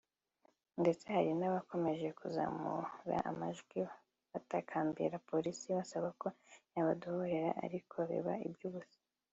ndetse hari n’abakomeje kuzamura amajwi batakambira Polisi basaba ko yabadohorera ariko biba iby’ubusa